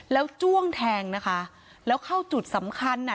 แล้วจ้วงแทงนะคะแล้วเข้าจุดสำคัญน่ะ